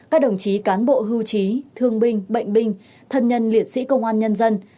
các đồng chí cán bộ hưu trí thương binh bệnh binh thân nhân liệt sĩ công an nhân dân